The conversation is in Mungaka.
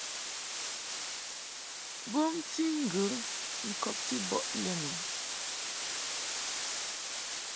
Bomti ŋgə ŋkɔbti bɔ lɛ mɨ.